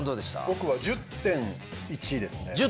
僕は１０．１ですね。